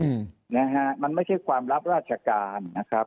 อืมนะฮะมันไม่ใช่ความลับราชการนะครับ